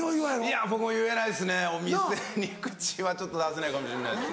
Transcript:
お店に口はちょっと出せないかもしれないですね。